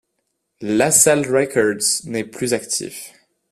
LaSalle Records n'est plus actif.